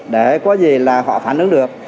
để có gì là họ phản ứng được